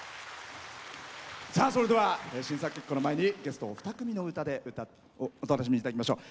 それでは審査結果の前にゲストお二組の歌でお楽しみいただきましょう。